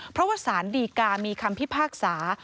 เพราะว่าสารดีกามีคำพิพากษา